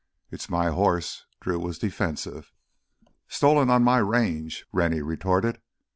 "It's my horse." Drew was defensive. "Stolen on my range," Rennie retorted.